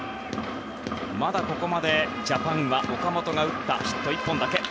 まだここまでジャパンは岡本が打ったヒット１本だけ。